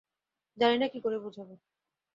জানি না কীকরে বোঝাবো।